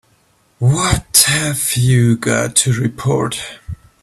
What have you got to report?